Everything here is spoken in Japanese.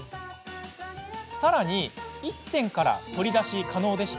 さらに１点から取り出し可能。